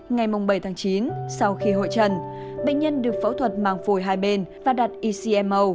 ngày bảy chín sau khi hội trần bệnh nhân được phẫu thuật màng phổi hai bên và đặt ecmo